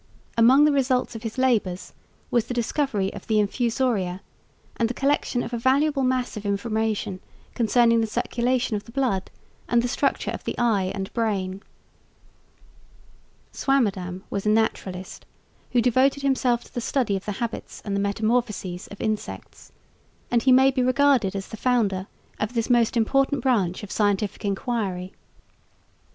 Among the results of his labours was the discovery of the infusoria, and the collection of a valuable mass of information concerning the circulation of the blood and the structure of the eye and brain. Swammerdam was a naturalist who devoted himself to the study of the habits and the metamorphoses of insects, and he may be regarded as the founder of this most important branch of scientific enquiry.